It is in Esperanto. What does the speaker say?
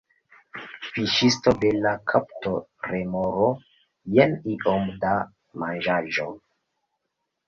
Fiŝisto: "Bela kapto, remoro. Jen iom da manĝaĵo."